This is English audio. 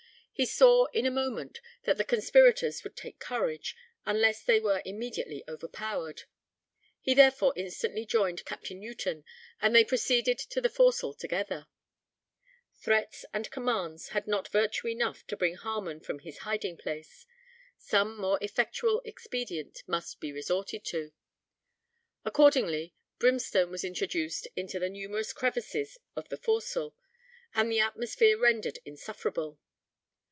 He saw, in a moment, that the conspirators would take courage, unless they were immediately overpowered. He therefore instantly joined Capt. Newton, and they proceeded to the forecastle together. Threats and commands had not virtue enough to bring Harmon from his hiding place. Some more effectual expedient must be resorted to. Accordingly, brimstone was introduced into the numerous crevices of the forecastle, and the atmosphere rendered insufferable.